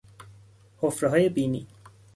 حفرههای بینی